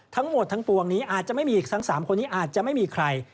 ทั้งหมดทั้งปวงนี้อาจจะไม่มีอีกทั้ง๓คนนี้อาจจะไม่มีใคร